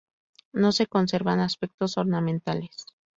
No se conservan aspectos ornamentales.